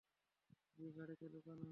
জি, গাড়িতে লুকানো।